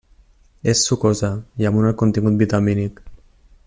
És sucosa i amb un alt contingut vitamínic.